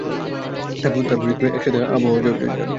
তারপর এক সাথে আহওয়াজে যান।